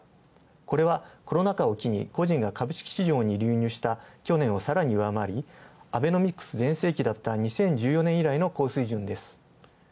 これはコロナ禍を機に、個人が株式市場に流入した、上回り、アベノミクスの２０１４年以来の高水準です。